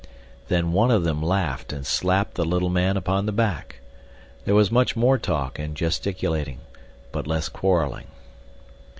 Then one of them laughed and slapped the little man upon the back. There was much more talk and gesticulating, but less quarreling.